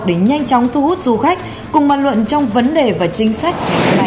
để nhanh chóng thu hút du khách cùng bàn luận trong vấn đề và chính sách